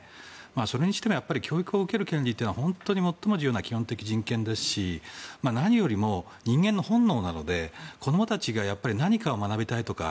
それにしても教育を受ける権利は最も重要な基本的人権ですし何よりも人間の本能なので子どもたちが何かを学びたいとか